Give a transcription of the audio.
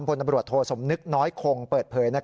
พลตำรวจโทสมนึกน้อยคงเปิดเผย